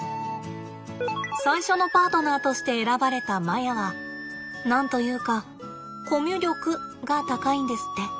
最初のパートナーとして選ばれたマヤは何と言うかコミュ力が高いんですって。